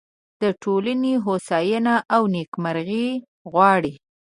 د ټولنې هوساینه او نیکمرغي غواړي.